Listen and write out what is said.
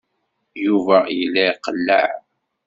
Yuba yella iqelleɛ.